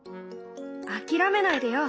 諦めないでよ！